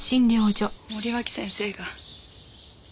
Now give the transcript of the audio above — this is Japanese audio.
森脇先生が私を。